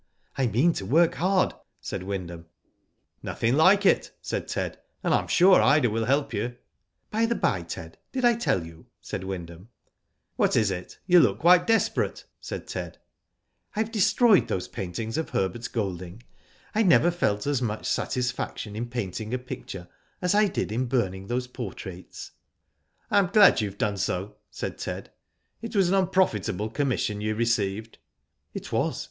"I mean to work hard," said Wyndham. " Nothing like it," said Ted ;" and I am sure Ida will help you." "By the bye, Ted, did I tell you?" said Wyn ham. "What IS it? You look quite desperate?" said Ted. "I have destroyed those paintings of Herbert Golding. I never felt as much satisfaction in painting a picture, as I did in burning those portraits." " I am glad you have done so," said Ted. " It was an unprofitable commission you received." "It was.